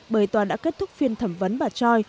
bởi tòa đã kết thúc phiên thẩm vấn bà choi